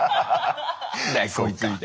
何だよこいつみたいな。